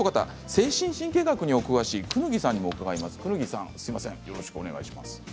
精神神経学にお詳しい功刀さんにも伺います。